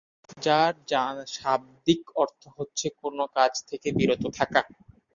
যার শাব্দিক অর্থ হচ্ছে কোনো কাজ থেকে বিরত থাকা।